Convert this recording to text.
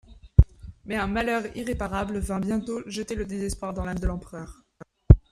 Mais un malheur irréparable vint bientôt jeter le désespoir dans l'âme de l'empereur.